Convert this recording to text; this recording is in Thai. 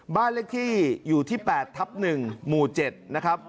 บ้านเลขที่อยู่ที่๘ทับ๑หมู่๗นะครับ